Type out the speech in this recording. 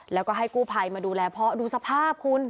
แล้วก็ให้กู้ภัยมาดูแลเพราะดูสภาพคุณ